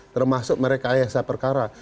termasuk mereka ayahsah perkara